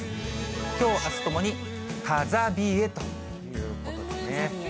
きょう、あすともに、風冷えということですね。